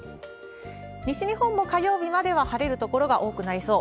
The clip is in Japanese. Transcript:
西日本も火曜日までは晴れる所が多くなりそう。